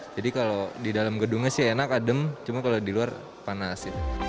jadi kalau di dalam gedungnya sih enak adem cuman kalau di luar panas